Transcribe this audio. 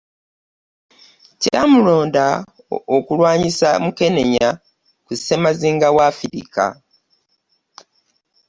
Kyamulonda okulwanyisa Mukenenya ku ssemazinga wa Africa